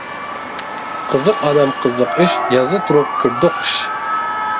قىزىق ئالەم قىزىق ئىش، يازدا تۇرۇپ كۆردۇق قىش.